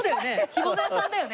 干物屋さんだよね。